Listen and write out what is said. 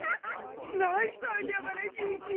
ナイスアイデアだねギギ！